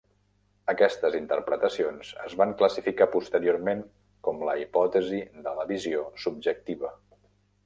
Aquestes interpretacions es van classificar posteriorment com la hipòtesi de la visió subjectiva.